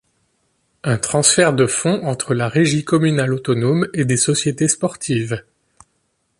Un transfert de fonds entre la Régie communale autonome et des sociétés sportives.